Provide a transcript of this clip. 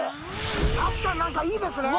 確かに、なんか、いいですねぇ。